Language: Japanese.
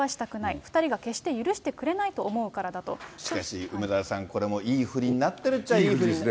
２人が決して許してくれないと思しかし梅沢さん、これもいいふりになってるっちゃ、いい振りになってる。